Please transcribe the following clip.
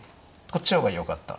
こっちの方がよかった？